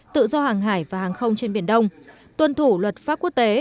tự do hàng hải và hàng không trên biển đông tuân thủ luật pháp quốc tế